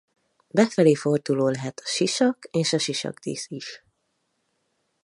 Befelé forduló lehet a sisak és a sisakdísz is.